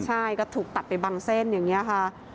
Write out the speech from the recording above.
ใช่ก็ถูกตัดไปบางเส้นอย่างนี้ค่ะ